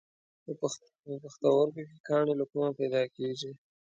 په پښتورګو کې کاڼي له کومه پیدا کېږي؟